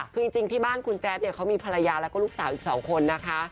คือจริงที่บ้านคุณแจ๊ดเนี่ยเขามีภรรยาแล้วก็ลูกสาวอีก๒คนนะคะ